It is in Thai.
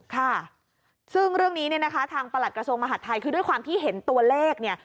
ค่ะซึ่งเรื่องนี้เนี่ยนะคะทางประหลัดกระทรวงมหาดไทยคือด้วยความที่เห็นตัวเลขเนี่ย